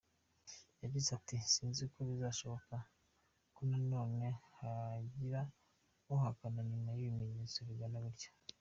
Yagize ati: “Sinzi ko bizashoboka ko noneho hagira uhakana nyuma y’ibimenyetso bigana gutya.”